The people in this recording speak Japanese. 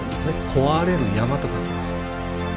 「壊れる山」と書きます。